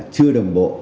chưa đồng bộ